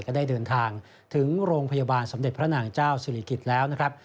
ก็ได้เดินทางถึงโรงพยาบาลสมเด็จพระนางเจ้าศิริกิจแล้วนะครับ